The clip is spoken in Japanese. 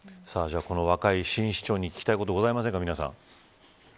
若い新市長に聞きたいことはありますか。